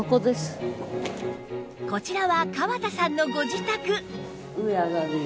こちらは川田さんのご自宅